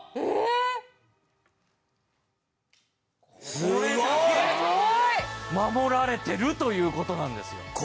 これだけ守られてるということなんですよ。